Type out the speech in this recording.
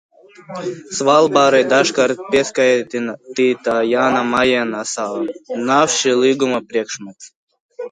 Svalbārai dažkārt pieskaitītā Jana Majena sala nav šī līguma priekšmets.